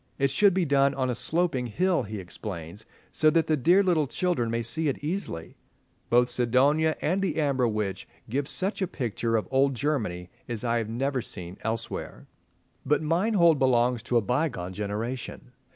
It should be done on a sloping hill, he explains, so that the "dear little children" may see it easily. Both "Sidonia" and "The Amber Witch" give such a picture of old Germany as I have never seen elsewhere. But Meinhold belongs to a bygone generation.